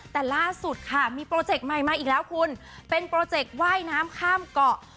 แต่ล่าสุดค่ะมีโปรเจกต์ใหม่มาอีกแล้วคุณเป็นโปรเจกว่ายน้ำข้ามเกาะ